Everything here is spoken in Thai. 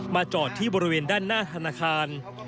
จอดที่บริเวณด้านหน้าธนาคาร